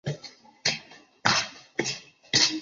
卵叶糙苏为唇形科糙苏属下的一个变种。